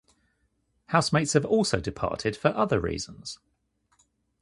Housemates have also departed for other reasons.